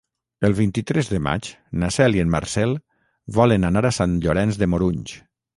El vint-i-tres de maig na Cel i en Marcel volen anar a Sant Llorenç de Morunys.